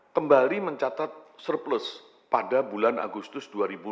kembali mencatat surplus pada bulan agustus dua ribu dua puluh